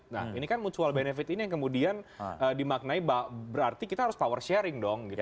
nah ini kan mutual benefit ini yang kemudian dimaknai berarti kita harus power sharing dong gitu